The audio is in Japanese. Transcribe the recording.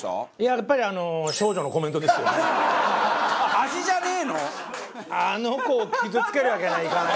やっぱりあの子を傷つけるわけにはいかない。